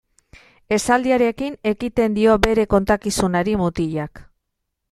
Esaldiarekin ekiten dio bere kontakizunari mutilak.